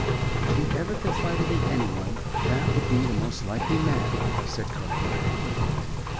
If he ever confided in any one, that would be the most likely man," said Colonel Grey.